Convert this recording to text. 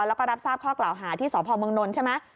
แล้วก็รับทราบข้อกล่าวหาที่สพเมืองนนท์ใช่ไหม